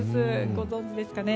ご存じですかね。